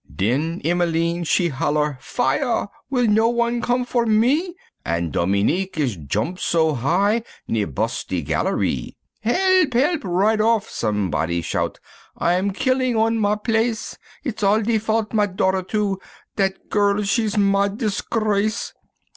Den Emmeline she holler "Fire! will no wan come for me?" An' Dominique is jomp so high, near bus' de gallerie, "Help! help! right off," somebody shout, "I'm killin' on ma place, It's all de fault ma daughter, too, dat girl she's ma disgrace."